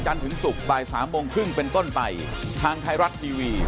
ใช่ครับ